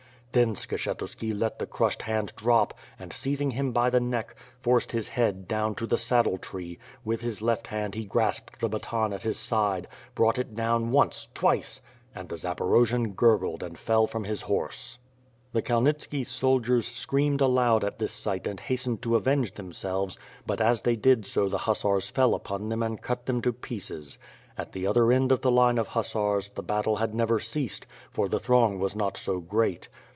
Then Skshetuski let the cnished hand drop and, seizing him by the neck, forced bis head down to the saddle tree; with WITH FIRE AND SWORD. ^^j his left hand he grasped the haton at his side, brought it down once, twice — ^and the Zaporojian gurgled and fell from his horse. The Kalnitski soldiers screamed aloud at this sight and hastened to avenge themselves; but as they did so the hussars fell upon them and cut them to pieces. At the other end of the line of hussars, the battle had never ceased; for the throng was not so great.